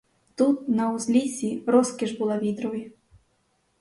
Тут, на узліссі, розкіш була вітрові.